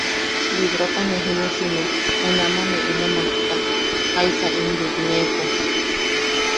Librota ne jinusime, junamaʼa ne ino majta, jaisa in bwikneʼepo.